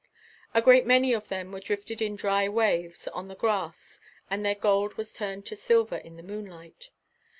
A great many of them were drifted in dry waves on the grass and their gold was turned to silver in the moonlight.